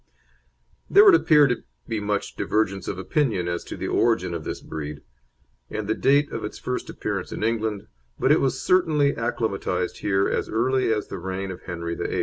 There would appear to be much divergence of opinion as to the origin of this breed, and the date of its first appearance in England, but it was certainly acclimatised here as early as the reign of Henry VIII.